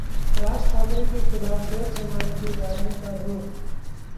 राज ठाकरे के खिलाफ गैर जमानती वारंट पर रोक